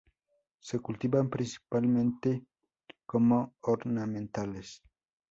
Se cultivan principalmente como ornamentales.